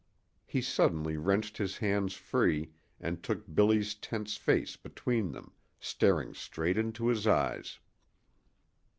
He suddenly wrenched his hands free and took Billy's tense face between them, staring straight into his eyes.